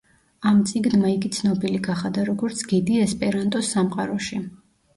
ამ წიგნმა იგი ცნობილი გახადა როგორც გიდი ესპერანტოს სამყაროში.